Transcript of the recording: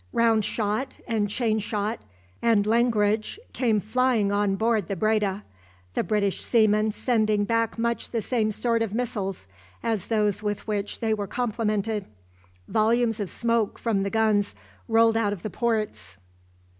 Round shot, and chain shot, and langrage came flying on board the "Breda," the British seamen sending back much the same sort of missiles as those with which they were complimented. Volumes of smoke from the guns rolled out of the ports.